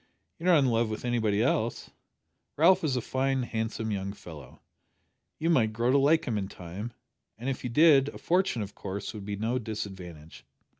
You're not in love with anybody else. Ralph is a fine handsome young fellow. You might grow to like him in time and if you did, a fortune, of course, would be no disadvantage.